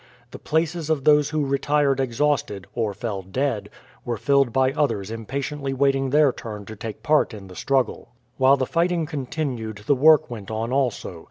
The places of those who retired exhausted, or fell dead, were filled by others impatiently waiting their turn to take part in the struggle. While the fighting continued the work went on also.